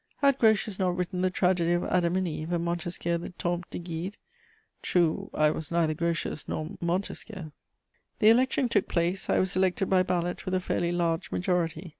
Had Grotius not written the tragedy of Adam and Eve and Montesquieu the Temple de Guide? True, I was neither Grotius nor Montesquieu. The election took place; I was elected by ballot with a fairly large majority.